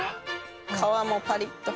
皮もパリッと。